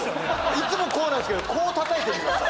いつもこうなんですけどこうたたいてみました。